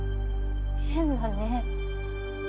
変だね。